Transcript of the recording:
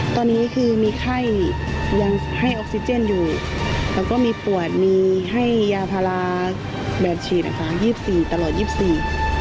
ตอนนี้คือมีไข้ยังให้ออกซิเจนอยู่แล้วก็มีปวดมีให้ยาพาราแบบฉีดนะคะยี่สิบสี่ตลอดยี่สิบสี่